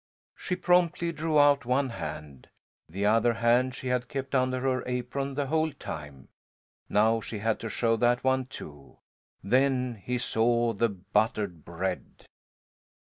She promptly drew out one hand. The other hand she had kept under her apron the whole time. Now she had to show that one, too. Then he saw the buttered bread.